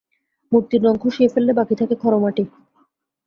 মূর্তির রঙ খসিয়ে ফেললে বাকি থাকে খড়মাটি।